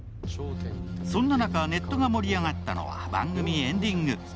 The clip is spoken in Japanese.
そんな中、ネットが盛り上がったのは番組エンディング。